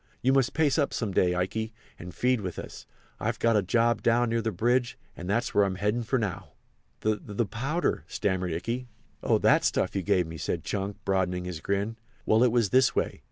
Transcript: You must pace up some day, Ikey, and feed with us. I've got a job down near the bridge, and that's where I'm heading for now." "The—the—powder?" stammered Ikey. "Oh, that stuff you gave me!" said Chunk, broadening his grin; "well, it was this way.